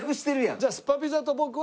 じゃあスパピザと僕は。